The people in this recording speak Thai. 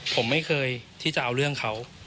ผมไม่เคยที่จะเอาเรื่องเขา